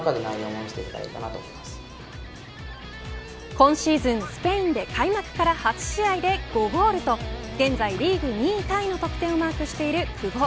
今シーズン、スペインで開幕から８試合で５ゴールと現在リーグ２位タイの得点をマークしている久保。